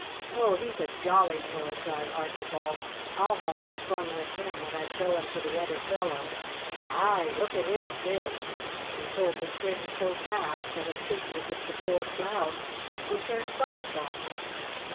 "Oh, he's a jolly toy!" cried Archibald. "I'll have some fun with him when I show him to the other fellows. Hi! Look at him jig!" and he pulled the strings so fast that it seemed as if the poor Clown would turn somersaults.